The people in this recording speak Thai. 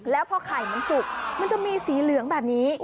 แล้วพอไข่มันสุกมันจะมีสีเหลืองแบบนี้